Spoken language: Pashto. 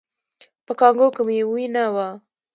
په کانګو کې مو وینه وه؟